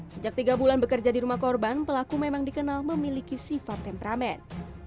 sejak tiga bulan bekerja di rumah korban pelaku memang dikenal memiliki sifat temperamen